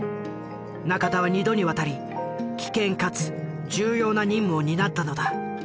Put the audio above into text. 仲田は２度にわたり危険かつ重要な任務を担ったのだ。